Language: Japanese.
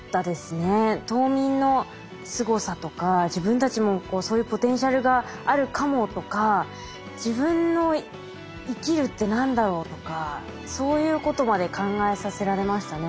冬眠のすごさとか自分たちもそういうポテンシャルがあるかもとか自分の生きるって何だろうとかそういうことまで考えさせられましたね